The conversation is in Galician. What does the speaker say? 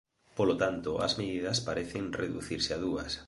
Polo tanto as medidas parecen reducirse a dúas: